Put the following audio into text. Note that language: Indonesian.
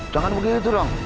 jangan begitu dong